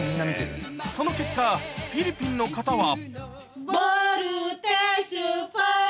その結果、フィリピンの方は。